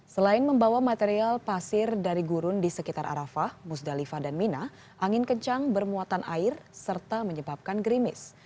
selain membawa material pasir dari gurun di sekitar arafah musdalifah dan mina angin kencang bermuatan air serta menyebabkan grimis